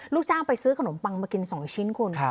ลูกจ้างไปซื้อขนมปังมากิน๒ชิ้นคุณ